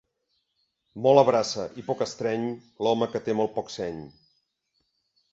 Molt abraça i poc estreny, l'home que té molt poc seny.